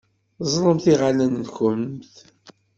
Ẓẓlemt iɣallen-nkumt.